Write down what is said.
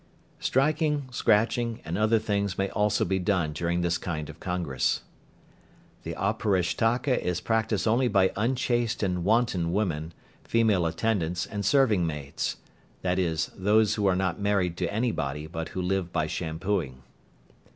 Striking, scratching, and other things may also be done during this kind of congress. The Auparishtaka is practised only by unchaste and wanton women, female attendants and serving maids, i.e., those who are not married to anybody, but who live by shampooing.